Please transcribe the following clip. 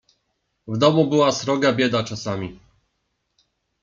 "W domu była sroga bieda czasami."